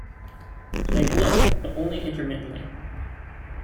They glow, but only intermittently.